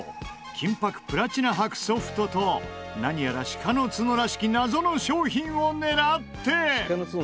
金箔プラチナ箔ソフトと何やら鹿のツノらしき謎の商品を狙って。